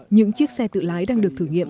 những chiếc xe tự lái đang được thử nghiệm